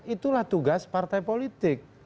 itulah tugas partai politik